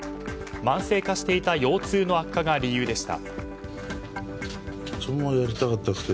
慢性化していた腰痛の悪化が理由でした。